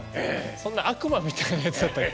そんな悪魔みたいなやつだったっけ？